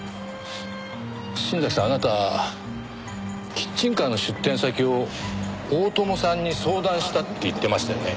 新崎さんあなたキッチンカーの出店先を大友さんに相談したって言ってましたよね？